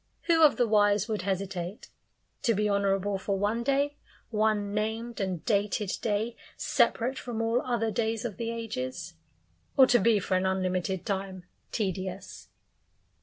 Who of the wise would hesitate? To be honourable for one day one named and dated day, separate from all other days of the ages or to be for an unlimited time tedious?